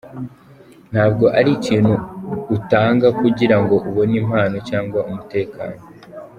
Ntabwo ari ikintu utanga kugira ngo ubone impano, cyangwa umutekano.